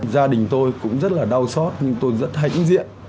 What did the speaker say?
gia đình tôi cũng rất là đau xót nhưng tôi rất hãnh diện